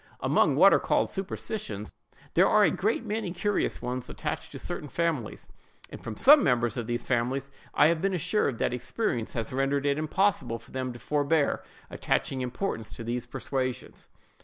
Among what are called superstitions, there are a great many curious ones attached to certain families; and from some members of these families I have been assured that experience has rendered it impossible for them to forbear attaching importance to these persuasions.